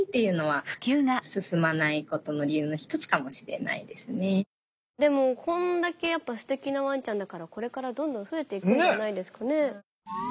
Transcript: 盲導犬以外のでもこんだけやっぱすてきなワンちゃんだからこれからどんどん増えていくんじゃないですかね。